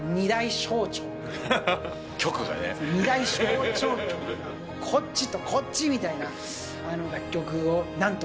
こっちとこっちみたいな。